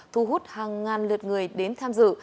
thu hút hàng ngàn lượt người đến tham dự